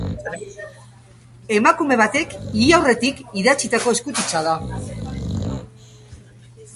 Emakume batek hil aurretik idatzitako eskutitza da.